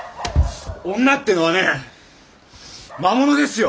女ってのはね魔物ですよ！